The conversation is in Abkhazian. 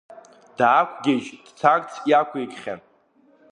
Даақәгьежь дцарц иақәикхьан.